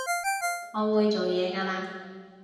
我會做嘢㗎喇